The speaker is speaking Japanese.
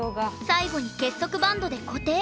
最後に結束バンドで固定。